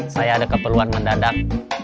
saya ada keperluan mendadak